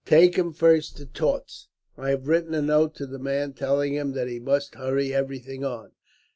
"Take him first to Tautz. I have written a note to the man, telling him that he must hurry everything on.